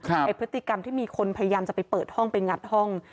ไอ้พฤติกรรมที่มีคนพยายามจะไปเปิดห้องไปงัดห้อง